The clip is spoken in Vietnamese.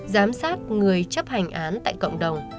giám sát người chấp hành án tại cộng đồng